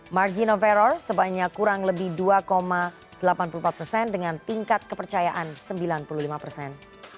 margin of error sebanyak kurang lebih dua delapan puluh empat persen dengan tingkat kepercayaan sembilan puluh lima persen